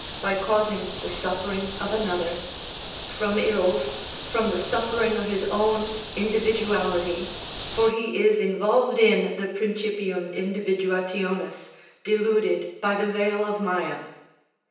_, by causing the suffering of another, from ills, from the suffering of his own individuality, for he is involved in the principium individuationis, deluded by the veil of Mâyâ.